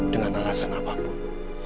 dengan alasan apapun